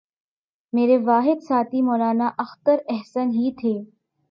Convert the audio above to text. میرے واحد ساتھی مولانا اختر احسن ہی تھے